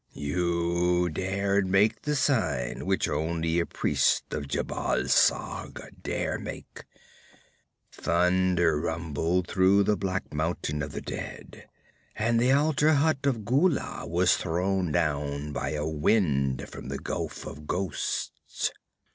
'You dared make the sign which only a priest of Jhebbal Sag dare make. Thunder rumbled through the black Mountain of the Dead and the altar hut of Gullah was thrown down by a wind from the Gulf of Ghosts.